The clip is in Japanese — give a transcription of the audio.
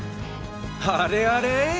あれあれ？